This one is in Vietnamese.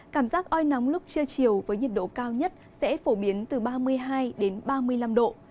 cảm giác oi nóng lúc trưa chiều với nhiệt độ cao nhất sẽ phổ biến từ ba mươi hai đến ba mươi năm độ